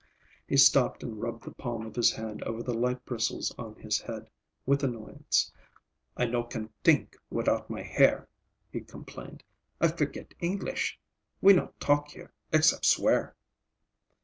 He stopped and rubbed the palm of his hand over the light bristles on his head with annoyance. "I no can t'ink without my hair," he complained. "I forget English. We not talk here, except swear."